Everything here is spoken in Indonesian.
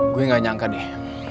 gue gak nyangka deh